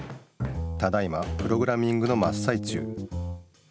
ただいまプログラミングのまっさい中。